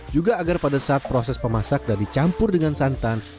juga agar pada saat proses pemasak dan dicampur dengan santan